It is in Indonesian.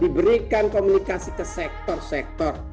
diberikan komunikasi ke sektor sektor